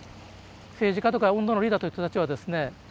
政治家とか運動のリーダーといった人たちはですね